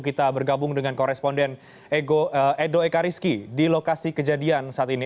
kita bergabung dengan koresponden edo ekariski di lokasi kejadian saat ini